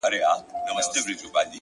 کله مسجد کي گډ يم کله درمسال ته گډ يم!